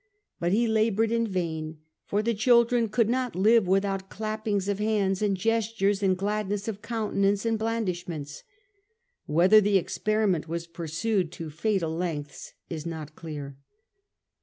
But he laboured in vain, for the children could not live without clappings of hands and gestures and gladness of counte nance and blandishments." Whether the experiment was pursued to fatal lengths is not clear.